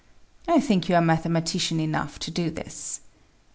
I think you are mathematician enough to do this.